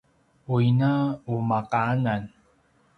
u ina qumaqanan